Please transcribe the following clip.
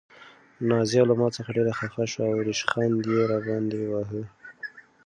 نازیه له ما څخه ډېره خفه شوه او ریشخند یې راباندې واهه.